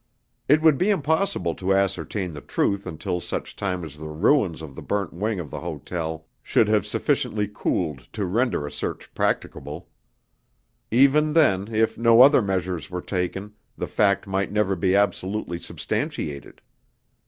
It would be impossible to ascertain the truth until such time as the ruins of the burnt wing of the hotel should have sufficiently cooled to render a search practicable. Even then, if no other measures were taken, the fact might never be absolutely substantiated.